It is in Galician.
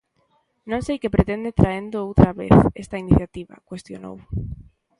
"Non sei que pretende traendo outra vez" esta iniciativa, cuestionou.